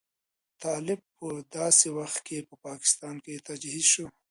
طالب په داسې وخت کې په پاکستان کې تجهیز شو.